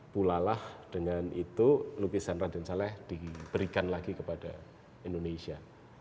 pulalah dengan itu lukisan raden saleh diberikan lagi kepada indonesia